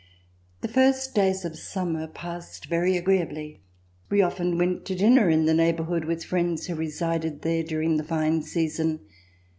The first days of summer passed very agreeably. We often went to dinner in the neighborhood with friends who resided there during the fine season.